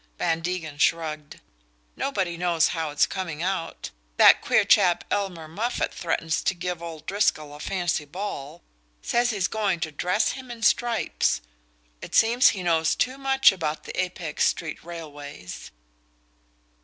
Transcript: Van Degen shrugged. "Nobody knows how it's coming out That queer chap Elmer Moffatt threatens to give old Driscoll a fancy ball says he's going to dress him in stripes! It seems he knows too much about the Apex street railways."